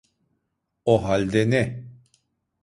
O halde ne?